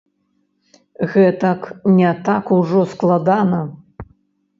Гэтак не так ужо складана.